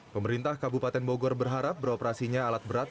pemerintah kabupaten bogor berharap beroperasinya alat berat